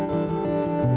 jangan lupa jangan lupa